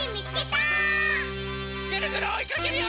ぐるぐるおいかけるよ！